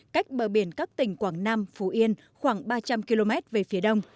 cách bờ biển các tỉnh quảng nam phú yên khoảng ba trăm linh km về phía đông